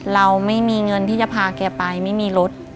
เราไม่มีเงินที่จะพาแกไปไม่มีรถ